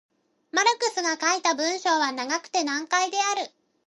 マルクスが書いた文章は長くて難解である。